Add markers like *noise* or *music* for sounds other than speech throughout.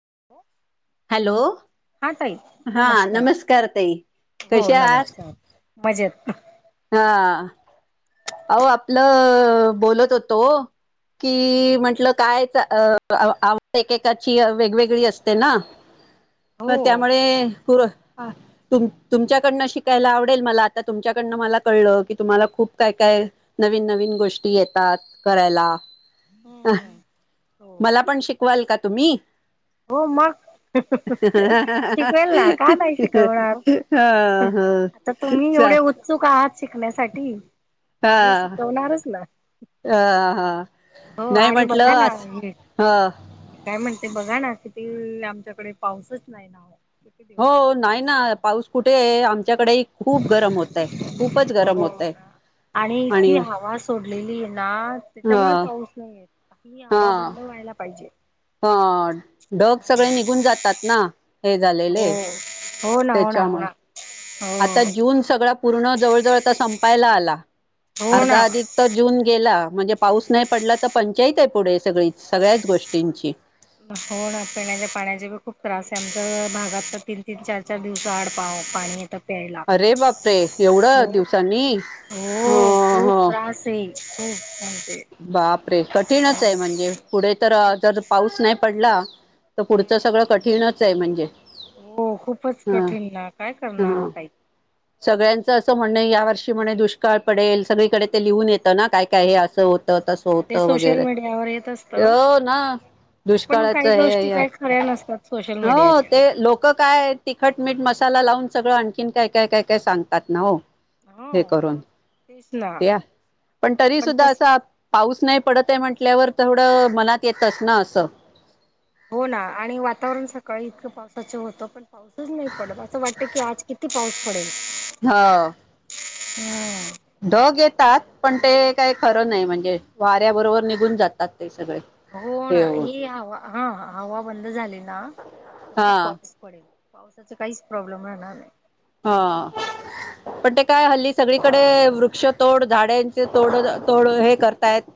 *unintelligible* Hello! हा ताई हा नमस्कार ताई, हो कसे आहात? नमस्कार मजेत हा, हो आपलं बोलत होतो. की म्हटलं काय आवड एक एकाची वेगवेगळी असते ना. अ हो त्यामुळे हो, तुमच्याकडनं शिकायला आवडेल मला. आता तुमच्याकडन मला कळलं की, तुम्हाला खूप काय- काय नवीन- नवीन गोष्टी येतात करायला. हा. हो मला पण शिकवाल का,? तुम्ही. हो, मग शिकवेल ना? का नाही शिकवणार? ह ह आता तुम्ही चा एवढे उत्सुक आहात. शिकण्यासाठी, मी हा शिकवणारच ना? अ हा हो नाही आणि बघा महटलं ना आज हे हो. मी काय म्हणते बघा ना आमच्याकडे पाऊसच नाही ना ओ. हो, नाही ना? पाऊस कुठे आम गरम *unintelligible* होतय आणि इतकी हवा सोडलेली ना ह त्याच्यामुळे पाऊस नाहीये. ही हवा बंद व्हायला पाहिजे!. *unintelligible* पण ढग सगळे निघून जातात ना. हे झालेले हो, हो ना हो ना हो त्याच्यामुळे, ना आता हो जून सगळं पूर्ण, जवळजवळ त संपायला आला. हो ना अर्धा अधिक तर, जून गेला. म्हणजे, पाऊस नाही पडला तर पंचाईते. पुढे सगळी सगळ्याच गोष्टींची. हो ना पिण्याच्या पाण्याचा पण खूप त्रास आहे आमच्या भागात तीन तीन चार चार दिवसां आड पाणी येतं. प्यायला, अरे बापरे एवढं हो दिवसांनी हो खूप त्रासे. खूप. *inaudible* रे कठीणचये हो म्हणजे? पुढे तर कठीण जर पाऊस नाही पडला त हम्म. पुढचं सगळं कठीणच चे म्हणजे? हो. खूपच ह कठीण ना काय करणार हो ह ताई? सगळ्यांचं असं म्हणये. या वर्षी म्हणे दुष्काळ पडेल सगळीकडे ते लिहून येतं ना काय काय हे असं होत तस हा, होत ते सोशल वगैरे मीडियावर येत असतं हो ना पण दुष्काळाच काही गोष्टी हे काही खऱ्या नसतात सोशल हो मीडियाच्या ते लोक काय तिखट मीठ मसाला साला लावून सगळं आणखीन काय काय काय काय सांगतात ना हो. हे हो करून. तेच ना ते अस पण हो, तरी सुद्धा तस असं ऊस नाही पडतये म्हटल्यावर, तेवढं मनात येतच ना असं. हो ना आणि वातावरण सकाळी इतकं पावसाच होतं पण पाऊसच नाही पडत असं वाटतं की आज किती पाऊस पडेल. हो हम्म. ढग येत तात पण ते काय खरं नाही म्हणजे वाऱ्या बरोबर निघून जातात ते. सगळे हो णा हे होऊन ही हवा हा हवा बंद झाली ना त खूप हा पाऊस पडेल. पावसाच काहीच प्रॉब्लेम राहणार नाही. हा पण ते काय हल्ली सगळी कडे वृक्ष तोड झाडांचे तोड तोड हे करतायेत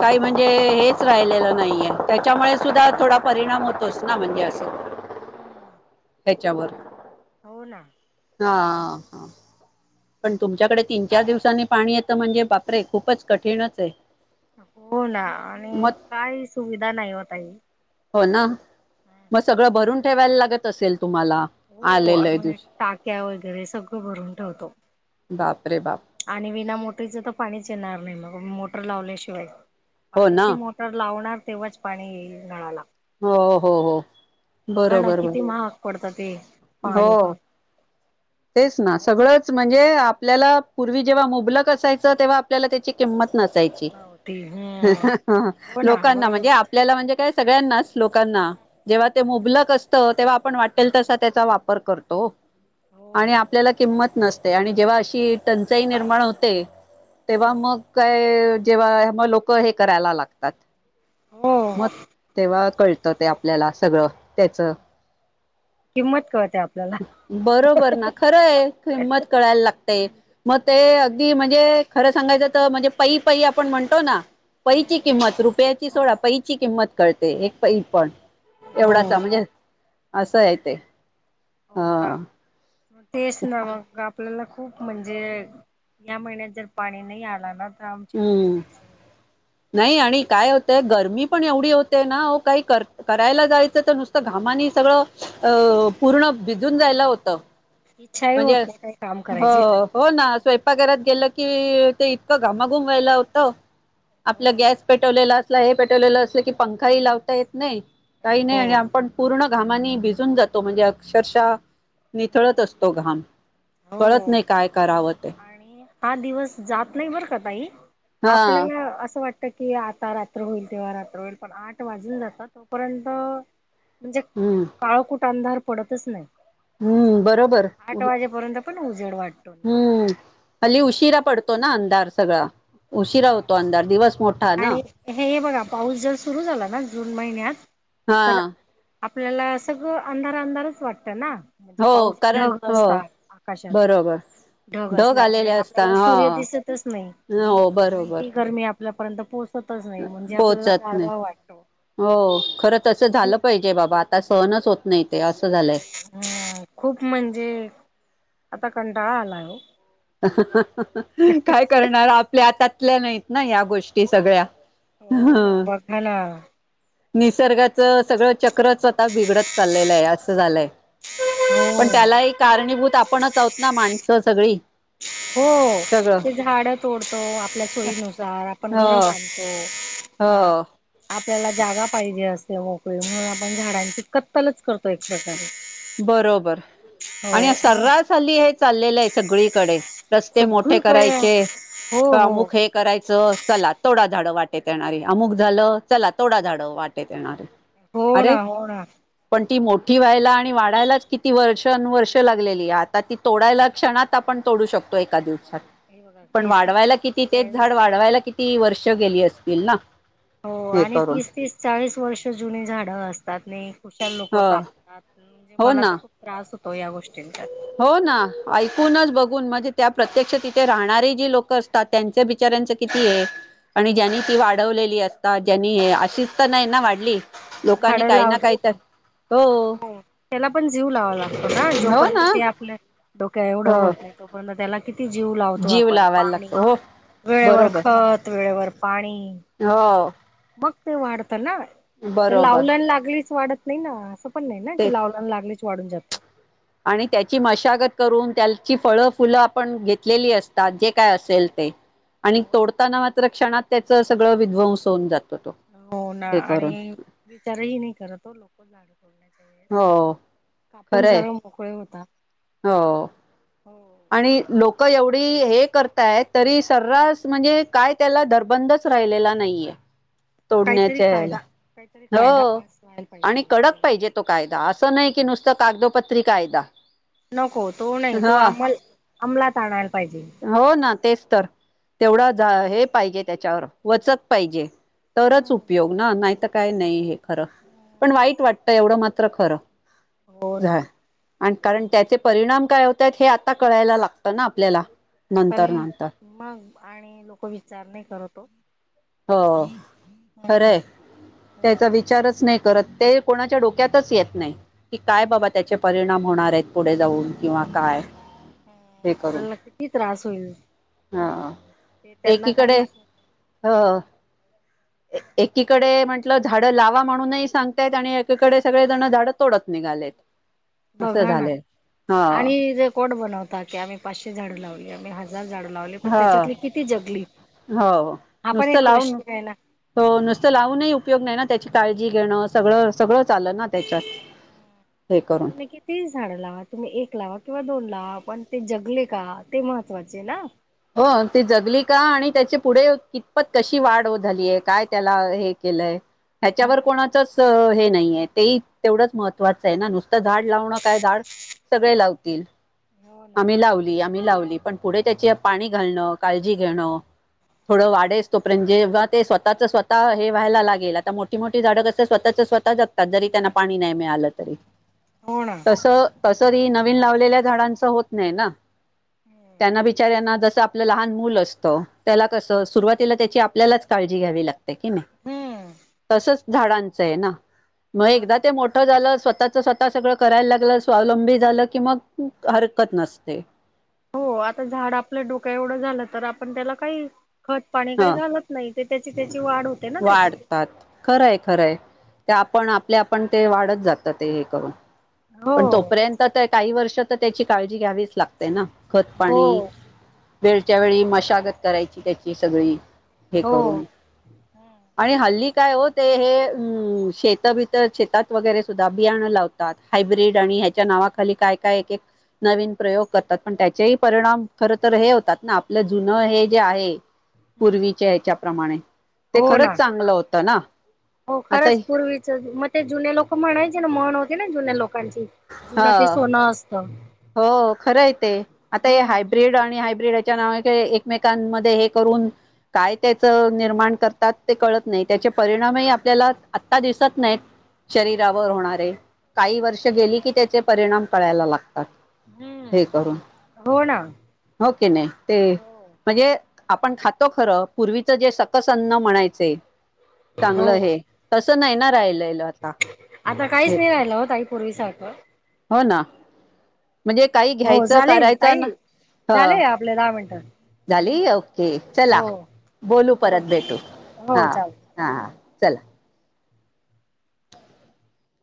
काही म्हणजे हेच राहिलेलं नाहीये. त्याच्यामुळे सुद्धा थोडा परिणाम होतोच ना म्हणजे असं. त्याच्यावर हो ना. हा हा हा पण तुमच्याकडे तीन चार दिवसांनी पाणी येतं म्हणजे बापरे खूपच कठीणचये. हो ना आणि काही सुविधा नाही हो ताई. हो ना. म सगळं भरून ठेवायला लागत असेल. तुम्हाला हो आम आलेलं म्हणजे दिवशी टाक्या वगैरे सगळं भरून ठेवतो. बापरे बाप! आणि विना मोटारीचं तर पाणीच येणार नाही मग मोटर लावल्याशिवाय. हो ना पाण्याची मोटार लावणार तेव्हाच पाणी येईल नळाला. हो हो हो हो बघा ना बरोबर बर किती महाग पडतं ते पाणी हो पण तेच ना सगळंच म्हणजे आपल्याला पूर्वी जेव्हा मुबलक असायचं तेव्हा आपल्याला त्याची किंमत नसायची नव्हती हम्म हो ना लोकांना बरोबर म्हणजे आपल्याला म्हणजे काय सगळ्यांनाच. लोकांना हो जेव्हा ते ना मुलक असत तेव्हा आप पण वाटेल तसा त्याचा वापर करतो. आणि हो आपल्याला किंमत नसते आणि जेव्हा अशी टंचाई निर्माण होते. हो तेव्हा मग काय? तेव्हा म लोक हे करायला लागतात. हो म तेव्हा कळत ते आपल्याला सगळं त्याच. किंमत कळते आपल्याला बरोबर ना खरंय किंमत कळायला लागतेय. मग ते अगदी म्हणजे. खरं सांगायचं तर म्हणजे पई-पई आपण म्हणतो ना. हम्म पैची-किंमत रुपयाची. सोडा पैची-किंमत कळते. पैई पण. हो एवढाच म्हणजे. असं हाय ते. हो ना हा. तेच ना मग आपल्याला. खूप म्हणजे या महिन्यात जर पाणी नाही आला ना. तर आमची खूपच हम्म. नाही आणि. काय होतय. गरमी पण एवढी होते ना. काही करायला जायचं तर नुसतं घामानी सगळं अ पूर्ण भिजून जायला होतं. इच्छाही होत म्हणजे नाही काही काम हो. करायची हो ना स्वयंपाघरात गेलं. कि ते इतकं घामाघुमवायला होतं. आपला हो ना गॅस पेटवलेला अस हे पेटवलेलं असलं की पंखाही लावता येत नाही. काही नाही हो आणि आपण पूर्ण. घामाने भिजून जातो म्हणजे अक्षरशः निथळत असतो. कळत हो नाही काय करावत आणि हा दिवस जात नाही बर का ताई. हा आपल्याला असं वाटत. की आता रात्र होईल. तेव्हा रात्र होईल. पण आठ वाजून जाता तोपर्यंत. म्हणजे हम्म काळ कुठ. अंधार पडतच नाही. हम्म. बरोबर आठ वाजेपर्यंत पण उजेड वाटतो ना हम्म. हल्ली हो उशीरा पडतो ना. अंधार सगळा. हो उशिरा ना होतो अंधार दिवस मोठा ना आणि हे बघा पाऊस जर सुरू झाला ना. जून महिन्यात. हा. तर आपल्याला सगळं अंधार अंधारच वाटतं ना. म्हणजे हो पाऊस कारण ढग हो असत आकाशात बरोबर ढग आलेले असल्यामुळे असता आपल्याला हा सूर्य दिसतच नाही हो बरोबर आणखी गरमी आप आपर्ंत पोच पोहोचत नाही हो खर तस झालं पाहिजे बाबा आता सहनच होत नाही ते असं झालंय हम् खूप म्हणजे आता कंडाळ आलाय ह काय करणार आपल्या आता ल्या नाहीत ना या गोष्टी सगळ्या हो ना बघा ना निसर्गाच सगळं चक्र स्व आता बिघडत चाललेलं आहे झाले हो पण त्यालाही कारणीभूत आपणच आहत ना माणस स सगळी हो सगळं ते झाड तोडतो आपल्या सोयीनुसार आपण घर हो बांधतो हो त्याला जागा पाहिजे असते मोकळी म्हणून आपण झाडांची कत्तलच करतो एक प्रकारे बरोबर हो आणि मग सर्रास झाली आहेत चाललेलं आहे सगळीकडे रस्ते मोठे सगळीकडे करायचे हो हो अमुक हे करायचे चला तोडा झाड वाटेत येणारी अमुक झालं चला तोडा झाड वाटेत येणारे हो अरे ना हो ना. पण ती मोठी क वयला आणि वाढायलाच किती वर्ष अनवर्ष लागलेली आहे आता ती तोडायला क्षणात आपण तोडू शकतो एका दिवशी हे बघा पण तीस तीस वाढवायला किती चाळीस तेच झाड चाळीस वाढवायला किती ती वर्ष गेली असतील ना हो हे आणि करून तीस तीस चाळीस वर्ष जुनी झाडं असतात नाही कुशल ह लोकं कापतात म्हणजे हो मला ना तर खूप त्रास होत होो या गोष्टींचा हो ना ऐकूनच बघून म्हणजे त्या प्रत्यक्ष तिथे राहणारे जी लोक असतात त्यांच्या बिचऱ्यांच किती आहे आणि ज्यांनी ती वाढवलेली अस अ ज्यांनी हे अशीच तर नाही ना वाढली. लोकांनी झाडं काय ना, लावतात काय तर. हो त्याला पण जीव लावा लागतो ना हो जोपर्यंत ना ते आपलं डोक्या एवढं हो होत नाही तोपर्यंत त्याला. किती जीव लावतो जीव आपण लावायला पाणी लागतो हो वेळेवर बरोबर खत वेळेवर पाणी. हो. मग ते वाढत. ना तर बरोबर लावल लागलीच वाढत नाही ना अस. पण नाही ते तेच लावल न लागलीच. वाढून जाते. आणि त्याची मशागत करून त्याल ची फळ फुलं आपण घेत लेली असतात जे काय असेल ते. आणि हो तोडताना मात्र क्षणात. त्याच सगळं विध्वंस होन जातं. हो ना आणि विचारही नाही करत हो लोक लाड. बोलच *unintelligible* हो कापून खरंय सर्व मोकळे होता. हो. हो *unintelligible* आणि लोक एवढी हे करताय तरी सर्रास म्हणजे काय त्याला दधर बंदच राहिलेला नाहीये. काहीतरी तोडण्याच्यायाला कायदा काहीतरी कायदा हो पास व्हायला पाहिजे आणि याच्या कडक पाहिजे विरुद्ध. तो कायदा असं नाही कि नुसतं कागदोपत्री कायदा नको तो नाही तो हा. अंमल अंमलात आणायला पाहिजे. हो ना तेच तर तेवढा ज हे. पाहिजे त्याच्यावर वचक पाहिजे. तरच उपयोग ना नाहीतर. काय नाही हे. खरं पण वाईट वाटत. त एवढं मात्र खरं. हो *unintelligible* ना य आणि कारण त्याचे परिणाम कळवत आहेत हे *unintelligible* आता कळायला लागतं ना, आपल्याला. नंतर पण नंतर मग आणि लोक विचार नाही करतो हो खरंय त्याचा हो विचारच नाही कर प्रत्यय कोणाच्या डोक्यातच येत नाही की काय बाबा त्याचे परिणाम होणार आहेत पुढे जाऊन किंवा काय ह हे करून आपल्याला किती त्रास होईल हा त्याच्यामुळे ते त्यांना काही व एकीकडे म्हटलं झाडं लावा म्हणूनही सांगतायत आणि एकीकडे सगळे जण झाडं तोडत निघालेत असं बघा ना झालंय हा आणि रेकॉर्ड बनवता की आम्ही पा झाडू लावले हजार झाडू लावले पण हा त्याच्यातली किती जगली हो हा पण नुसतं एक लावून प्रश्न आहे ना हो नुसतं लावूनही उपयोग नाही ना त्याची काळजी घेणं सगळं सगळं चाल ना त्याच्यात हे करून ककी तीस झाडं लावा तुम्ही एक लावा किंवा दोन लावा पण ते जगले का ते महत्वाचे ना हो तेी जगली का आणि त्याचे पुढे कितपत कशी वाढ झालीय काय त्याला हे केलंय ह्याच्यावर कोणाचच हे नाहीये ते तेवढच महत्त्वाचं आहे ना नुसतं झाड लावणं काय झाड सगळे लावतील हो ना आम्ही लावली आम्ही लावली पण पुढे त्याची पाणी घालणं काळजी घेणं थोडं वाढसतो पण जेव्हा ते स्वतःच स्वतः हे व्हायला लागेल आता मोठी मोठी झाडं कसं स्वतःच स्वतः जगतात जरी त्यांना पाणी नाही मिळालं तरी हो ना तसं तस नवीन लावलेल्या झाडांच होत नाही ना त्यांना बिचाऱ्यांना जसं आपलं लहान मुूल असतं त्याला कसं सुरुवातीला त्याची आपल्यालाच काळजी घ्यावी लागते क नाही हम्म तसच झाडांचं आहे ना मग हो एकदा ना ते मोठं झालं स्वतः स्वतः सगळं करायला लागलं स्वावलंबी झालं कि मग हरकत नसते हो आता झाड आपल्या डोक्या एवढं झालं तर आपण त्याला काही खत पाणी हा काही घालत नाही ते त्याची त्याची वाढ होते ना त्याची वाढतात खरंय खरंय ते आपण आपले आपण ते वाढत जात ते हे करून हो पण तोपर्यंत काही वर्ष तर त्याची काळजी घ्यावीच लागते ना खत हो पाणी वेळच्या वेळी मशागत करायची त्याची सगळी हे हो करून आणि हल्ली काय हो ते हे शेत भर शेतात वगैरे सुद्धा बियाणं लावतात हायब्रीड आणि ह्याच्या नावाखाली काय-काय एक-एक नवीन प्रयोग करतात. पण त्याचेही परिणाम. खर तर हे होतात ना. आपलं जुन हे जे आहे हम्म, पूर्वीचे ह्याच्याप्रमाणे ते हो खरंच ना चांगलं होत ना. हो आता खरंच पूर्वीच म ते जुने लक म्हणायचे म्हण होती ना. जुने लोक. लोकांची जुन ते ह सोनं असत. हो खरं आहे ते. आता हे हायब्रीड आणि हायब्र्रीड. त्याच्या नावा एकमेकांमध्ये हे करून. काय त्याच निर्माण करतात. ते कळत नाही. त्याचे परिणामही आपल्याला आता दिसत नाही. शरीरावर होणारे. काही वर्ष गेली कि त्याचे परिणाम कळायला लागत. हे हम्म करून हो ना हो कनी नाही ते हो म्हणजे. आपण खातो खरं पूर्वीच जे सकसअन्न म्हणायचे. हो चांगलं आहे त- तस नाही ना राहिल. आता काहीच नाहीं राहिला हो ताई पूर्वीसारख. हो ना म्हणजे काही हो घ्यायचं झालेना, करायचं ना ताई झाले ना. आपले दहा मिनट. खाली *unintelligible* चला बोलू हो परत हो भेटू हा हो चालेल हा. चला.